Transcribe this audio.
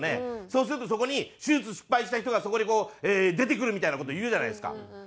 そうするとそこに手術失敗した人がそこにこう出てくるみたいな事言うじゃないですか。